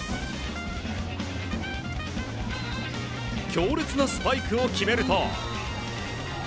強烈なスパイクを決めると。